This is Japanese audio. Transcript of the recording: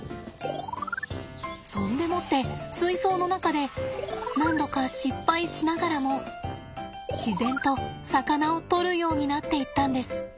そんでもって水槽の中で何度か失敗しながらも自然と魚を取るようになっていったんです。